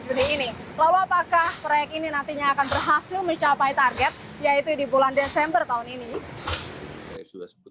bulan dua ribu dua puluh satu lalu apakah proyek ini nantinya akan berhasil mencapai target yaitu di bulan desember